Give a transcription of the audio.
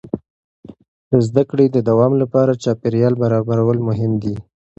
د زده کړې د دوام لپاره چاپېریال برابرول مهم دي.